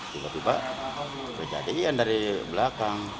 tiba tiba kejadian dari belakang